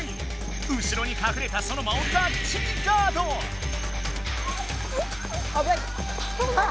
後ろにかくれたソノマをがっちりあぶない！